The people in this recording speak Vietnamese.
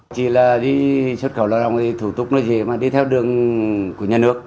chỉ là đi xuất khẩu lao động thì thủ tục nó dễ mà đi theo đường của nhà nước